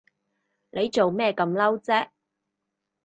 你做咩咁嬲啫？